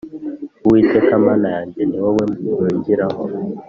Uwiteka Mana yanjye ni wowe mpungiraho